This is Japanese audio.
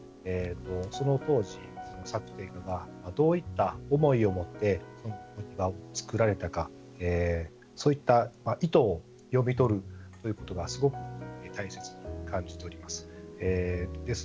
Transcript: その当時の作庭家がどういった思いを持ってお庭をつくられたかそういった意図を読み取ることがすごく大切に感じております。